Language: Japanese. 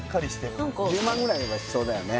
１０万ぐらいはしそうだよね